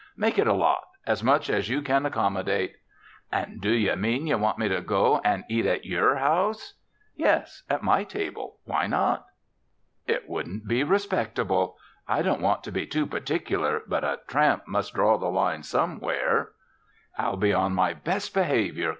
"Make it a lot as much as you can accommodate." "And do ye mean that ye want me to go an' eat in yer house?" "Yes, at my table why not?" "It wouldn't be respectable. I don't want to be too particular but a tramp must draw the line somewhere." "I'll be on my best behavior.